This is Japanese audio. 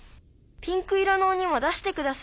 「ピンク色のおにも出してください」。